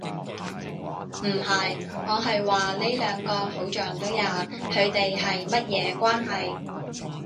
唔係。我係話呢兩個好像都有，佢地係乜嘢關係